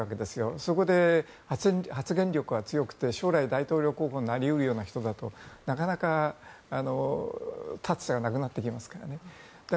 そこで発言力が強くて、将来大統領候補になり得る人だとなかなか立つ瀬がなくなってきますからね。